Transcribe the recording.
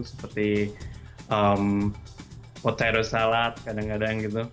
seperti oterus salad kadang kadang gitu